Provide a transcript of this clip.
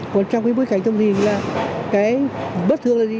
còn trong cái bối cảnh thông tin gì là cái bất thường là gì